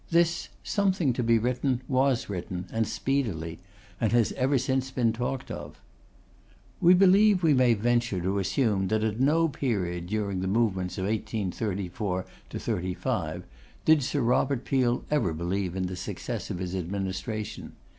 This 'something to be written' was written; and speedily; and has ever since been talked of. We believe we may venture to assume that at no period during the movements of 1834 5 did Sir Robert Peel ever believe in the success of his administration.